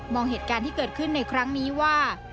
องเหตุการณ์ที่เกิดขึ้นในครั้งนี้ว่า